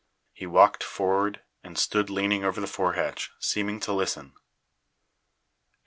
"He walked forward and stood leaning over the forehatch, seeming to listen." ...